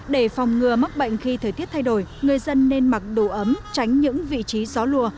để phòng ngừa mắc bệnh khi thời tiết thay đổi người dân nên mặc đủ ấm tránh những vị trí gió lùa